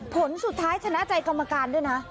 ผลสุดท้ายชนะใจกรรมการด้วยนะ